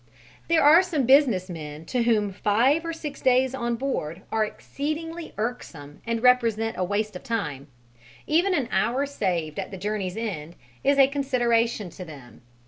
There are some business men to whom the five or six days on board are exceedingly irksome and represent a waste of time; even an hour saved at the journey's end is a consideration to them.